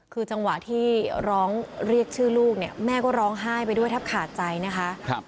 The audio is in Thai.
คือจังหวะที่ร้องเรียกชื่อลูกเนี่ยแม่ก็ร้องไห้ไปด้วยแทบขาดใจนะคะ